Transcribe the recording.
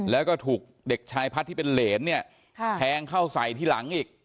แล้วก็ถูกเด็กชายพัดที่เป็นเหรนเนี่ยแทงเข้าใส่ที่หลังอีก